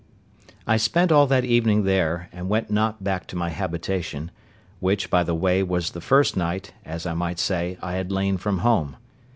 I spent all that evening there, and went not back to my habitation; which, by the way, was the first night, as I might say, I had lain from home.